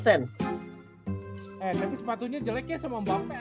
eh tapi sepatunya jelek ya sama mbappe